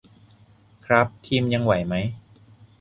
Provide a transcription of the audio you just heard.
ครับ ทีมยังไหวไหม